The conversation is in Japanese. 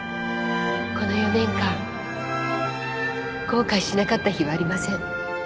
この４年間後悔しなかった日はありません